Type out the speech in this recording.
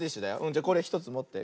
じゃこれ１つもって。